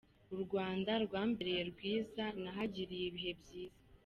U Rwanda rwambereye rwiza, nahagiriye ibihe byiza.